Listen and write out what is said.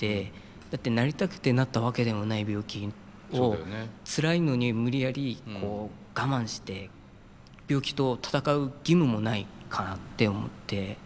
だってなりたくてなったわけでもない病気をつらいのに無理やり我慢して病気と闘う義務もないかなって思って。